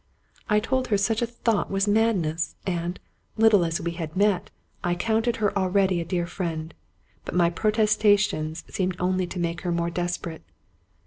"' I told her such a thought was madness, and, little as we 175 Scotch Mystery Stories had met, I counted her already a dear friend; but my prot estations seemed only to make her more desperate.